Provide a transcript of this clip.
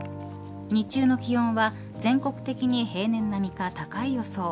日中の気温は全国的に平年並みか高い予想。